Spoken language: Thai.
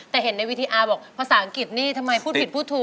แต่เห็นในวีดีอาร์บอกภาษาอังกฤษนี่ทำไมพูดผิดพูดถูก